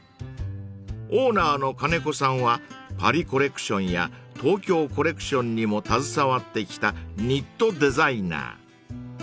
［オーナーの金子さんはパリ・コレクションや東京コレクションにも携わってきたニットデザイナー］